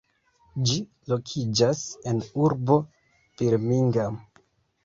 Ĝi lokiĝas en urbo Birmingham.